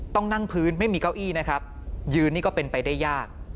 ต้องนั่งพื้นไม่มีเก้าอี้นะครับยืนนี่ก็เป็นไปได้ยาก